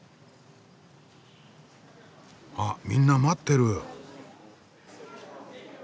あっみんな待ってる。